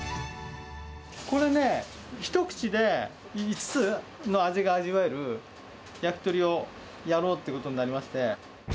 これね、１串で５つの味が味わえる焼き鳥をやろうってことになりまして。